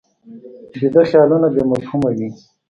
ویده خیالونه بې مفهومه وي